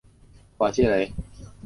瓦谢雷。